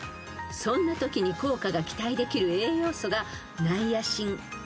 ［そんなときに効果が期待できる栄養素がナイアシン］